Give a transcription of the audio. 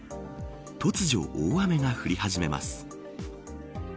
突如、大雨が降り始めます。